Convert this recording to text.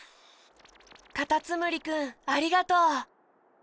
カタツムリくんありがとう！